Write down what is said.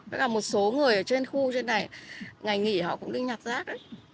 tất cả một số người ở trên khu trên này ngày nghỉ họ cũng đi nhặt rác ấy